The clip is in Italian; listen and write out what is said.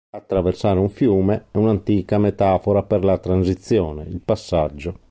Attraversare un fiume è un'antica metafora per la transizione, il passaggio.